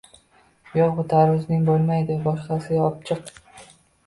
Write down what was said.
Yoʻq, bu tarvuzing boʻlmaydi, boshqasini opchiq